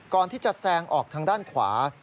ก่อนที่จะแซงออกทางด้านขวา